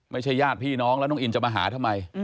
ญาติพี่น้องแล้วน้องอินจะมาหาทำไม